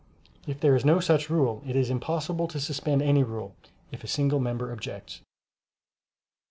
If there is no such rule it is impossible to suspend any rule, if a single member objects.